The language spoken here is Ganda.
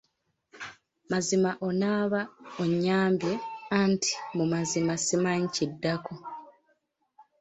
Mazima onooba onyambye anti mu mazima simanyi kiddako.